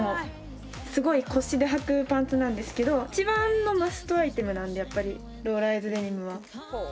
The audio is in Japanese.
すごい腰ではくパンツなんですけど一番のマストアイテムなんでやっぱりローライズデニムは。